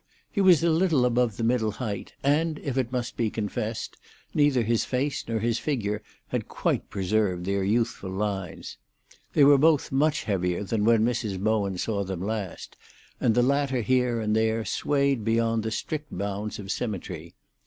He was a little above the middle height, and if it must be confessed, neither his face nor his figure had quite preserved their youthful lines. They were both much heavier than when Mrs. Bowen saw them last, and the latter here and there swayed beyond the strict bounds of symmetry.